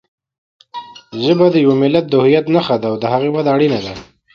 ژبه د یوه ملت د هویت نښه ده او د هغې وده اړینه ده.